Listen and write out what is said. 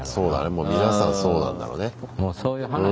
もう皆さんそうなんだろうね。